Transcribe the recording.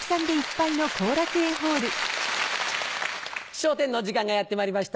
『笑点』の時間がやってまいりました。